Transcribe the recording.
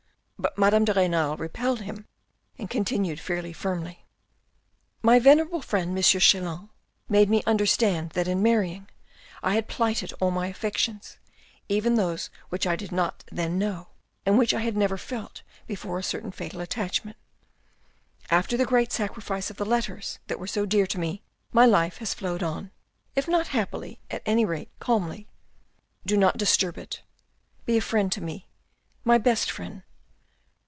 But Madame de Renal repelled him and continued fairly firmly. " My venerable friend, M. Chelan, made me understand that in marrying I had plighted all my affections, even those which I did not then know, and which I had never felt before a certain fatal attachment ... after the great sacrifice of the letters that were so dear to me, my life has flowed on, if not happily, at any rate calmly. Do not disturb it. Be a friend to me, my best friend."